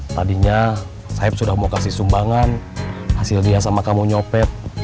tadinya saib sudah mau kasih sumbangan hasil dia sama kamu nyopet